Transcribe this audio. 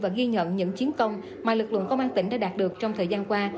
và ghi nhận những chiến công mà lực lượng công an tỉnh đã đạt được trong thời gian qua